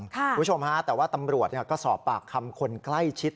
คุณผู้ชมฮะแต่ว่าตำรวจก็สอบปากคำคนใกล้ชิด